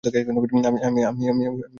আমি কিছু করেছি?